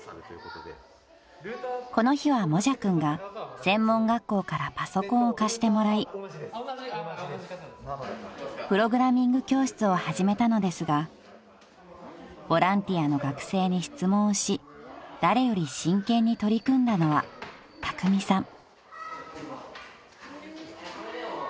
［この日はもじゃくんが専門学校からパソコンを貸してもらいプログラミング教室を始めたのですがボランティアの学生に質問をし誰より真剣に取り組んだのはたくみさん］